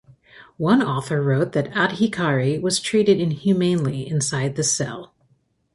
One author wrote that Adhikari was treated inhumanely inside the cell.